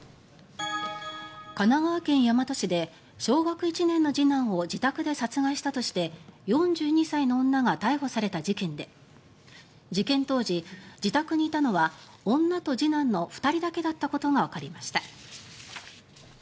神奈川県大和市で小学１年の次男を自宅で殺害したとして４２歳の女が逮捕された事件で事件当時、自宅にいたのは女と次男の２人だけだったことがわかりました。